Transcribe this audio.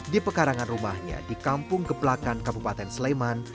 di pekarangan rumahnya di kampung ke belakang kabupaten sleman